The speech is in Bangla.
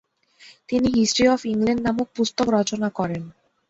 তিনি হিস্ট্রি অফ ইংল্যান্ড নামক পুস্তক রচনা করেন।